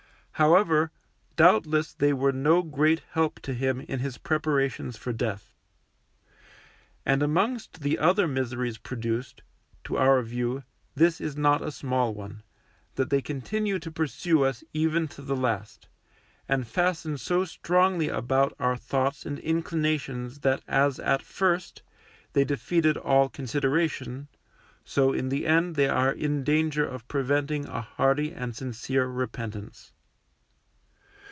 However, doubtless they were no great help to him in his preparations for death. And amongst the other miseries produced, to our view, this is not a small one, that they continue to pursue us even to the last, and fasten so strongly about our thoughts and inclinations that as at first, they defeated all consideration, so in the end they are in danger of preventing a hearty and sincere repentance.